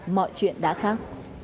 mọi chuyện đã khác